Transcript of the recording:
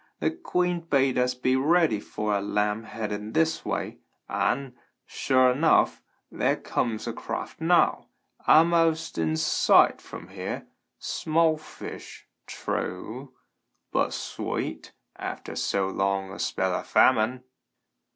Th' queen bade us be ready for a lamb headed this way, an', sure enough, there comes a craft now, a'most in sight from here. Small fish, true, but sweet after so long a spell o' famine."